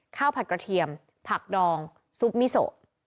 ผัดกระเทียมผักดองซุปมิโซ